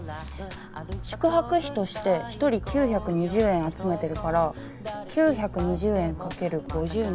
宿泊費として一人９２０円集めてるから９２０円かける５０人。